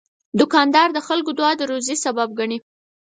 دوکاندار د خلکو دعا د روزي سبب ګڼي.